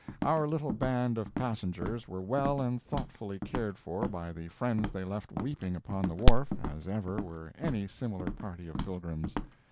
Our little band of passengers were well and thoughtfully cared for by the friends they left weeping upon the wharf as ever were any similar party of pilgrims.